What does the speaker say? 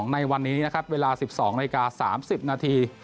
ในวันนี้นะครับเวลา๑๒นาฬิกา๓๐นาที